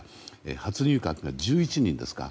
初入閣が１１人ですか。